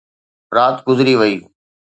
رات گذري وئي.